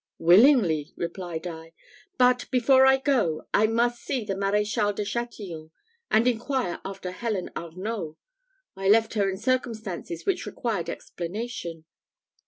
"Willingly," replied I; "but before I go, I must see the Maréchal de Chatillon, and inquire after Helen Arnault. I left her in circumstances which required explanation.